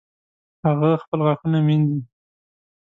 هغه خپل غاښونه مینځي